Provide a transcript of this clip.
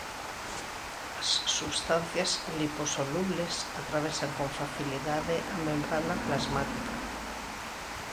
As substancias liposolubles atravesan con facilidade a membrana plasmática.